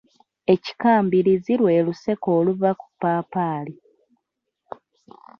Ekikambirizi lwe luseke oluva ku ppaapaali.